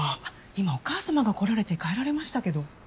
今お母さまが来られて帰られましたけど。